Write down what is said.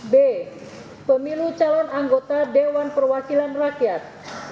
b pemilu calon anggota dewan perwakilan rakyat